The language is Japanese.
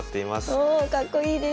おおかっこいいです。